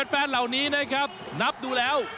แฟนเหล่านี้นะครับนับดูแล้ว